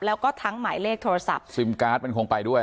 แล้วก็ทั้งหมายเลขโทรศัพท์ซิมการ์ดมันคงไปด้วย